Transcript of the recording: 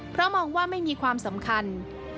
เพราะมองว่าไม่มีความสำคัญ